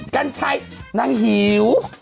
กัญชัยนางหิว